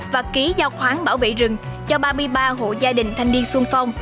và ký giao khoáng bảo vệ rừng cho ba mươi ba hộ gia đình thanh niên sung phong